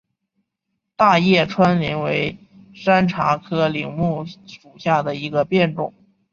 大叶川柃为山茶科柃木属下的一个变种。